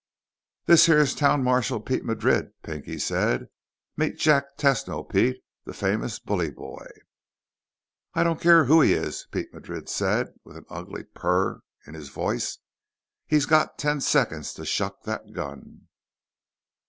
"This here is town marshal Pete Madrid," Pinky said. "Meet Jack Tesno, Pete. The famous bully boy." "I don't care who he is," Pete Madrid said with an ugly purr in his voice. "He's got ten seconds to shuck that gun."